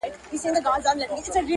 روغ زړه درواخله خدایه بیا یې کباب راکه.